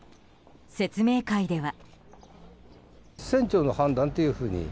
説明会では。